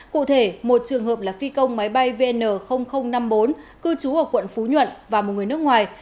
cụ thể một trường hợp là phi công máy bay vn năm mươi bốn cư trú ở quận phú nhuận và một người nước ngoài